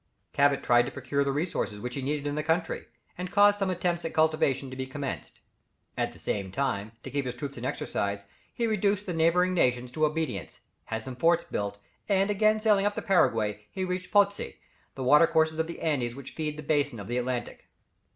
Cabot tried to procure the resources which he needed in the country, and caused some attempts at cultivation to be commenced. At the same time, to keep his troops in exercise, he reduced the neighbouring nations to obedience, had some forts built, and again sailing up the Paraguay he reached Potosi, and the water courses of the Andes which feed the basin of the Atlantic.